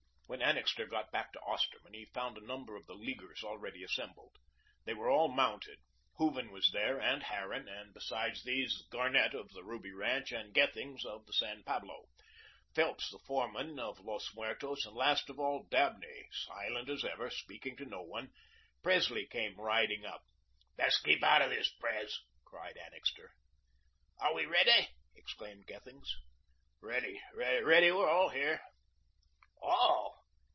When Annixter got back to Osterman, he found a number of the Leaguers already assembled. They were all mounted. Hooven was there and Harran, and besides these, Garnett of the Ruby ranch and Gethings of the San Pablo, Phelps the foreman of Los Muertos, and, last of all, Dabney, silent as ever, speaking to no one. Presley came riding up. "Best keep out of this, Pres," cried Annixter. "Are we ready?" exclaimed Gethings. "Ready, ready, we're all here." "ALL.